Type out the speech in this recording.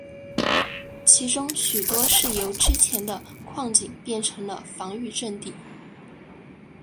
其中许多是由之前的矿井变成了防御阵地。